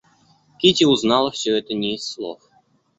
Кити узнала всё это не из слов.